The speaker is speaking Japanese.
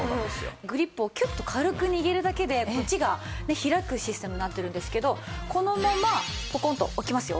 グリップをキュッと軽く握るだけでこっちが開くシステムになってるんですけどこのままポコンと置きますよ。